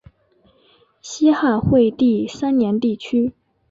西汉惠帝三年地区。